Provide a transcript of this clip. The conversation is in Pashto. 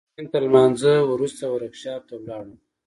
د ماسپښين تر لمانځه وروسته ورکشاپ ته ولاړم.